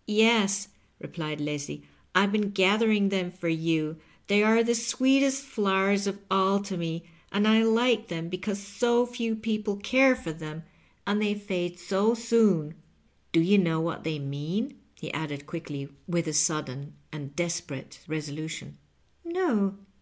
" Yes," replied Leslie, " Fve been gathering them for you. They are the sweetest flowers of all to me, and I like them because so few people care for them and they Digitized by VjOOQIC 2U LOVE AND LIGHTNING. fade 60 soon. Do you know what they mean ?" he added qnickly, with a sudden and desperate resolution. «No."